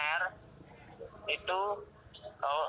di rumah sanit uner